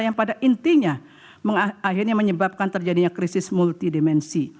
yang pada intinya akhirnya menyebabkan terjadinya krisis multidimensi